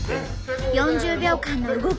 ４０秒間の動き